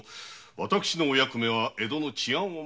私のお役目は江戸の治安を守ること。